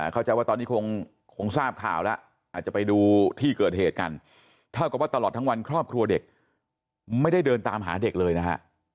เข้าใจว่าตอนนี้คงทราบข่าวแล้วอาจจะไปดูที่เกิดเหตุกันเท่ากับว่าตลอดทั้งวันครอบครัวเด็กไม่ได้เดินตามหาเด็กเลยนะฮะ